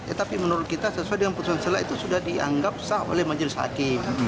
ya tapi menurut kita sesuai dengan putusan selai itu sudah dianggap sah oleh majlis hakim